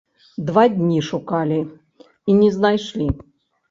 Два дні шукалі і не знайшлі.